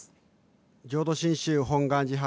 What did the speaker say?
・浄土真宗本願寺派